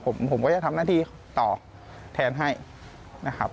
ผมก็จะทำหน้าที่ต่อแทนให้นะครับ